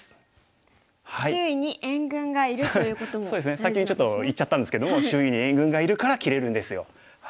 先にちょっと言っちゃったんですけども周囲に援軍がいるから切れるんですよ。